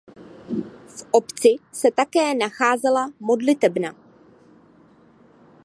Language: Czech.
V obci se také nacházela modlitebna.